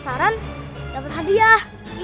agar anak anak mau kembali mengaji